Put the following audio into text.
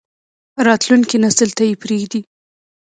راتلونکی نسل ته یې پریږدئ